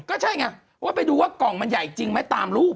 ก็ใช่ไงว่าไปดูว่ากล่องมันใหญ่จริงไหมตามรูป